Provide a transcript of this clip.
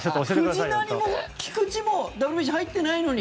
藤浪も菊池もＷＢＣ入ってないのに。